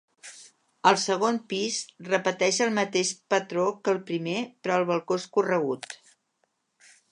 El segon pis repeteix el mateix patró que el primer però el balcó és corregut.